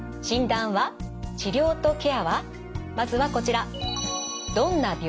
まずはこちら。